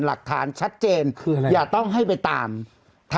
หลักฐานชัดเจนอย่าต้องให้ไปตามถ้า